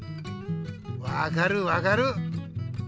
分かる分かる！